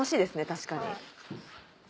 確かに。